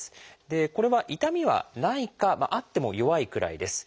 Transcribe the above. これは痛みはないかあっても弱いくらいです。